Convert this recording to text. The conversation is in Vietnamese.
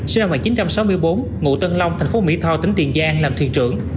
sinh năm một nghìn chín trăm sáu mươi bốn ngụ tân long thành phố mỹ tho tỉnh tiền giang làm thuyền trưởng